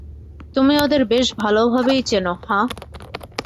তুমি ওদের বেশ ভালোভাবেই চেনো, হাহ?